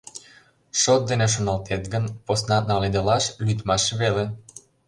Шот дене шоналтет гын, посна наледылаш лӱдмаш веле.